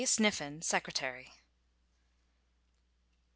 SNIFFEN, Secretary.